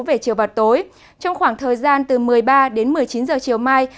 về chiều và tối trong khoảng thời gian từ một mươi ba đến một mươi chín giờ chiều mai